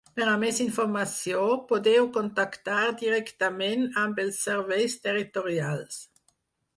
Per a més informació, podeu contactar directament amb els Serveis Territorials.